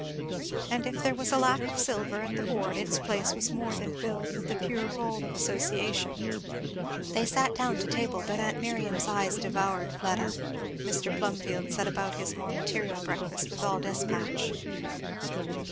And if there was a lack of silver at the board its place was more than filled with the pure gold of association. They sat down to table, but aunt Miriam's eyes devoured Fleda. Mr. Plum field set about his more material breakfast with all despatch.